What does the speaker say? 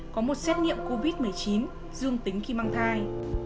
có một xét nghiệm covid một mươi chín dương tính khi mang thai